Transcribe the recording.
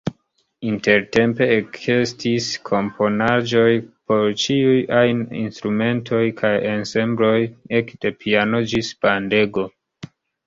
Intertempe ekestis komponaĵoj por ĉiuj ajn instrumentoj kaj ensembloj, ekde piano ĝis bandego.